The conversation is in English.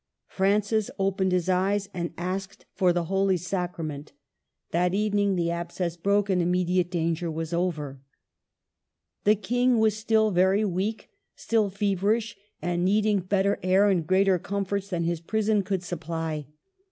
Francis opened his eyes and asked for the Holy Sacra ment. That evening the abscess broke, and immediate danger was over. The King was still very weak, still feverish, and needing better air and greater comforts than his prison could supply.